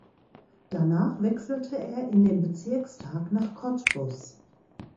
Danach wechselte er in den Bezirkstag nach Cottbus.